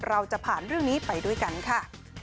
เราจะผ่านเรื่องนี้ไปด้วยกันค่ะ